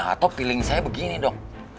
atau feeling saya begini dong